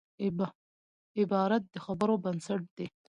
عبارت د خبرو بنسټ دئ.